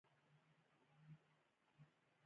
د هغه په مخ یوه توره لیکه ښکاره کېده